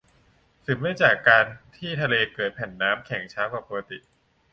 สืบเนื่องจากการที่ทะเลเกิดแผ่นน้ำแข็งช้ากว่าปกติ